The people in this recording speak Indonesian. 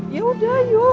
ya udah yuk